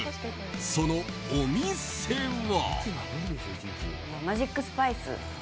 そのお店は。